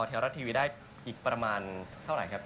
ไทยรัฐทีวีได้อีกประมาณเท่าไหร่ครับ